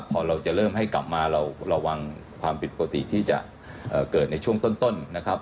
พอเราจะเริ่มให้กลับมาเราระวังความผิดปกติที่จะเกิดในช่วงต้นนะครับ